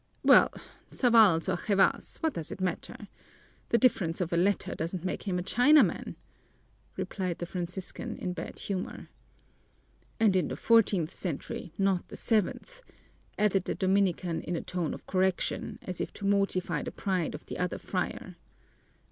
"Well, Savalls or Chevas, what does it matter? The difference of a letter doesn't make him a Chinaman," replied the Franciscan in bad humor. "And in the fourteenth century, not the seventh," added the Dominican in a tone of correction, as if to mortify the pride of the other friar.